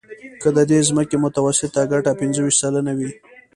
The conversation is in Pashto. که د دې ځمکې متوسطه ګټه پنځه ویشت سلنه وي